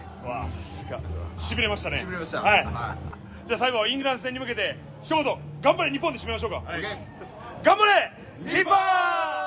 最後はイングランド戦に向けて、頑張れ日本！で締めましょうか。